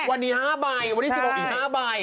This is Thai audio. วันนี้๑๖อีก๕ใบ